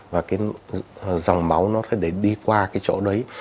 và cái dòng máu nó sẽ để đi qua cái chỗ đấy